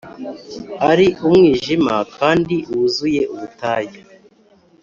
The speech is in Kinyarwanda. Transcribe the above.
ariko umwijima kandi wuzuye ubutayu